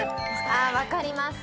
あ分かります。